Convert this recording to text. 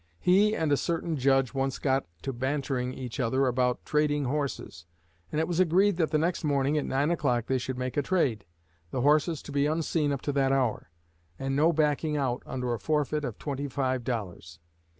He and a certain Judge once got to bantering each other about trading horses; and it was agreed that the next morning at nine o'clock they should make a trade, the horses to be unseen up to that hour, and no backing out, under a forfeit of twenty five dollars.